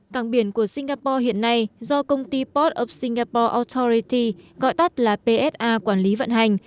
cảng biển của singapore hiện nay do công ty port of singapore authority gọi tắt là psa quản lý vận hành